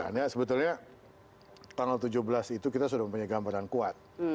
nah sebetulnya tahun dua ribu tujuh belas itu kita sudah mempunyai gambaran kuat